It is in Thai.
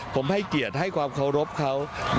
ผมให้เกียรติให้ความเคารพเขา